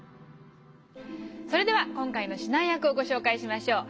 それでは今回の指南役をご紹介しましょう。